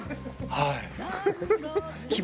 はい。